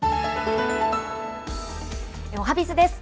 おはＢｉｚです。